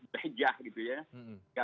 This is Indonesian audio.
bejah gitu ya